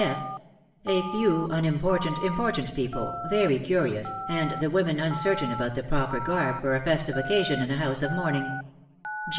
(f) A few unimportant important people, very curious, and the women uncertain about the proper garb for a festive occasion in a house of mourning.